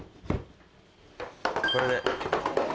これで。